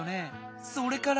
それから。